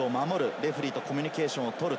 レフェリーとコミュニケーションをとる。